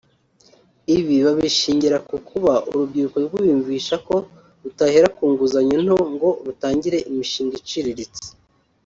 ibi babishingira ku kuba urubyiruko rwiyumvisha ko rutahera ku nguzanyo nto ngo rutangire imishinga iciriritse